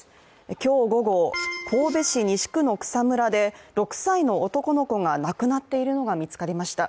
今日午後、神戸市西区の草むらで、６歳の男の子が亡くなっているのが見つかりました。